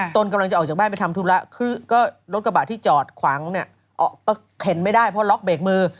ตนกำลังจะออกจากบ้านไปทำธุระคือก็รถกระบะที่จอดขวางเนี่ยเข็นไม่ได้เพราะล็อกเบรกมือ